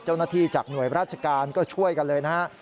เจ้าหน้าที่จากหน่วยราชการก็ช่วยกันเลยนะฮะ